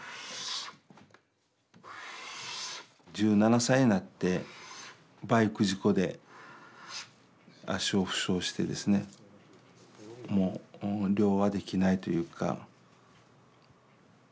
１７歳になってバイク事故で足を負傷してですねもう漁はできないというか。